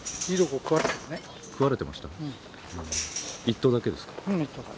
一頭だけですか。